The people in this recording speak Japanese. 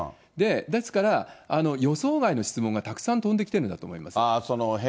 ですから、予想外の質問がたくさん飛んできてるんだと思います。